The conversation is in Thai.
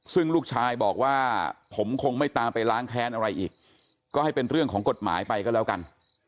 ซึ่งลูกชายบอกว่าผมคงไม่ตามไปล้างแค้นอะไรอีกก็ให้เป็นเรื่องของกฎหมายไปก็แล้วกัน